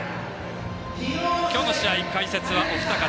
今日の試合、解説はお二方。